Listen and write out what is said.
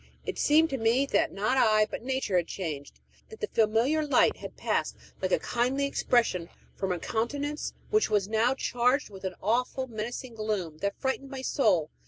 It seemed to me that not I but nature had changed, that the familiar light had passed like a kindly expression from her countenance, which was now charged with an awful menacing gloom that frightened my soul.